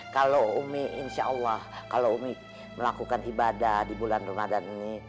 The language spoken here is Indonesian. kalau umi insya allah kalau umi melakukan ibadah di bulan ramadan ini